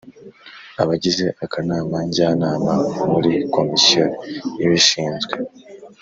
Abagize akanama njyanama muri komisiyo ibishinzwe